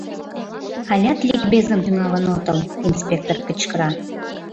— Алят ликбезым тӱҥалын отыл! — инспектор кычкыра.